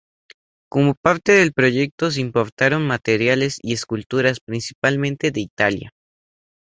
Como parte del proyecto se importaron materiales y esculturas, principalmente de Italia.